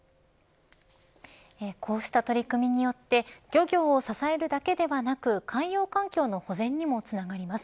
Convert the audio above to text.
こうした取り組みによって漁業を支えるだけではなく海洋環境の保全にもつながります。